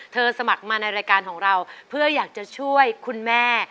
สมัครมาในรายการของเราเพื่ออยากจะช่วยคุณแม่